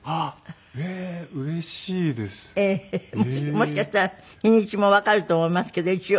もしかしたら日にちもわかると思いますけど一応。